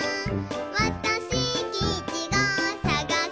「わたしきいちごさがすから」